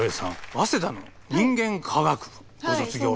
早稲田の人間科学部ご卒業と。